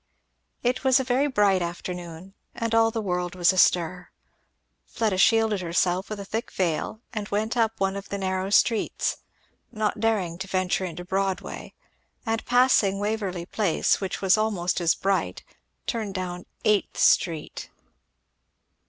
It was a very bright afternoon and all the world was astir. Fleda shielded herself with a thick veil and went up one of the narrow streets, not daring to venture into Broadway; and passing Waverly Place which was almost as bright, turned down Eighth street.